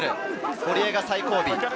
堀江が最後尾。